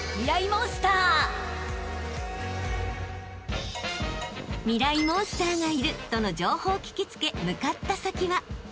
モンスターがいるとの情報を聞き付け向かった先は］